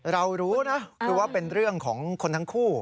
เรารู้นะคือว่าเป็นเรื่องของคนทั้งคู่